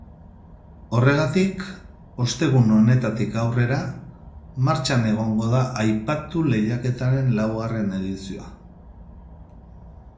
Horregatik, ostegun honetatik aurrera martxan egongo da aipatu lehiaketaren laugarren edizioa.